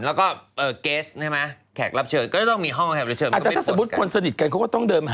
แล้วก็เกสใช่ไหม